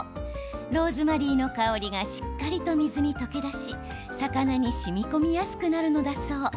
ローズマリーの香りがしっかりと水に溶け出し魚にしみこみやすくなるのだそう。